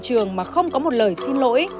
trường mà không có một lời xin lỗi